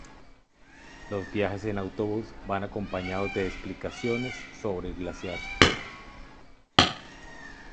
Los viajes en autobús van acompañados de explicaciones sobre el glaciar.